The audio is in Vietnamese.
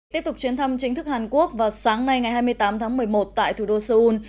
tiếp tục chuyến thăm chính thức hàn quốc vào sáng nay ngày hai mươi tám tháng một mươi một tại thủ đô seoul